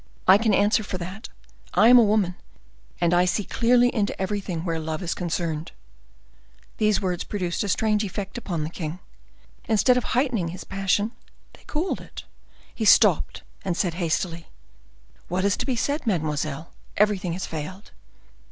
I can answer for that. I am a woman, and I see clearly into everything where love is concerned." These words produced a strange effect upon the king. Instead of heightening his passion, they cooled it. He stopped, and said hastily,— "What is to be said, mademoiselle? Everything has failed."